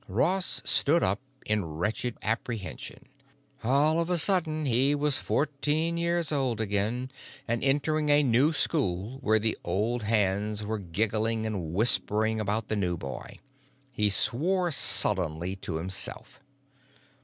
Ross stood up in wretched apprehension. All of a sudden he was fourteen years old again, and entering a new school where the old hands were giggling and whispering about the new boy. He swore sullenly to himself.